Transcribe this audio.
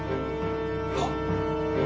はっ。